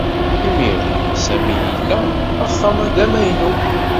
Imir-a, Sami ila axxam d amaynu.